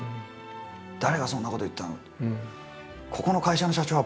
「誰がそんなこと言ったの！？」